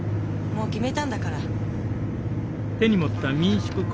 もう決めたんだから。